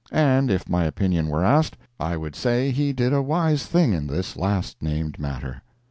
And, if my opinion were asked, I would say he did a wise thing in this last named matter.